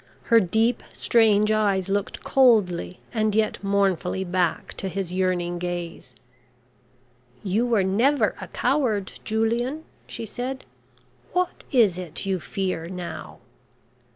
Her deep strange eyes looked coldly and yet mournfully back to his yearning gaze. "You were never a coward, Julian," she said. "What is it you fear now?"